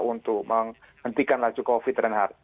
untuk menghentikan laju covid sembilan belas